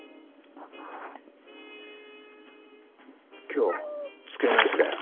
今日ツケなしだよ。